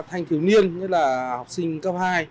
thanh thiếu niên nhất là học sinh cấp hai